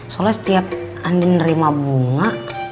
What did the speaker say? soalnya setiap andri nerima bunga